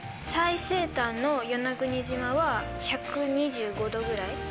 最西端の与那国島は１２５度ぐらい。